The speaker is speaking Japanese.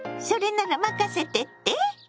それなら任せてって？